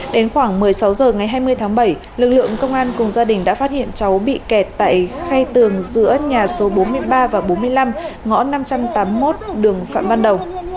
đến khoảng một mươi sáu h ngày hai mươi tháng bảy lực lượng công an cùng gia đình đã phát hiện cháu bị kẹt tại khay tường giữa nhà số bốn mươi ba và bốn mươi năm ngõ năm trăm tám mươi một đường phạm ban đầu